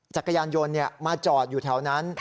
จักรยานยนต์มาจอดอยู่แถวนั้น